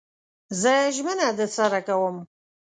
زه ژمنه درسره کوم